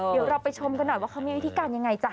เดี๋ยวเราไปชมกันหน่อยว่าเขามีวิธีการยังไงจ้ะ